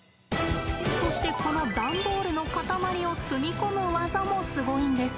そしてこの段ボールの塊を積み込む技もすごいんです。